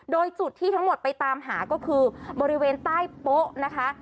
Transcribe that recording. โดยจุดที่ทั้งหมดไปตามหาก็คือบริเวณใต้โป๊ะนะคะ